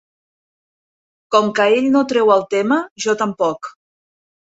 Com que ell no treu el tema, jo tampoc.